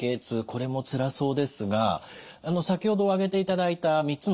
これもつらそうですが先ほど挙げていただいた３つのお薬